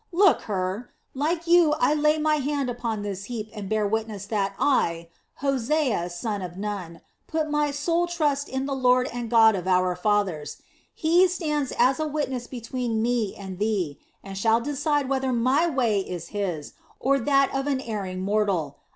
Look, Hur! Like you I lay my hand upon this heap and bear witness that I, Hosea, son of Nun, put my sole trust in the Lord and God of our fathers. He stands as a witness between me and thee, and shall decide whether my way is His, or that of an erring mortal.